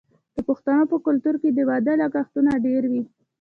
د پښتنو په کلتور کې د واده لګښتونه ډیر وي.